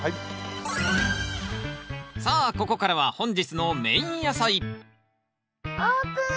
さあここからは本日のメイン野菜オープン！